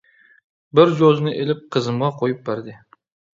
بىر جوزىنى ئىلىپ قىزىمغا قويۇپ بەردى.